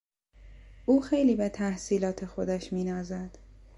او خیلی به تحصیلات خودش مینازد.